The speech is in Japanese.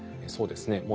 そうですね。